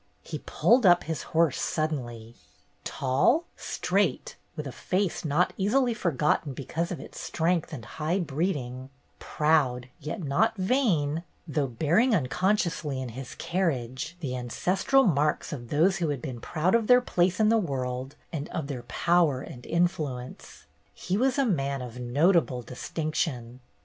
He pulled up his horse suddenly. Tall, straight, with a face not easily for gotten because of its strength and high breed ing; proud, yet not vain, though bearing unconsciously in his carriage the ancestral marks of those who had been proud of their place in the world and of their power and in fluence, he was a man of notable distinction.